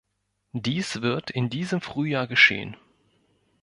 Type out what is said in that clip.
Dies wird in diesem Frühjahr geschehen.